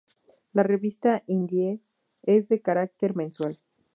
La revista indie.cl es de carácter mensual.